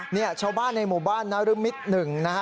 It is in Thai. เนี่ยชาวบ้านในหมู่บ้านนรมิตร๑นะฮะ